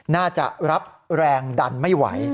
น่าจะรับแรงดันไม่ไหว